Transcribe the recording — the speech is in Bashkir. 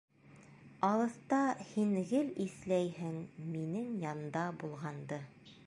Алыҫта һин гел иҫләйһең минең янда булғанды.